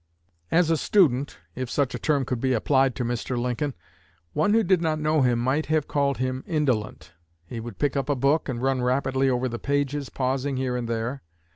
"As a student (if such a term could be applied to Mr. Lincoln) one who did not know him might have called him indolent. He would pick up a book and run rapidly over the pages, pausing here and there.